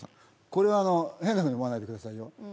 これは変なふうに思わないでくださいよ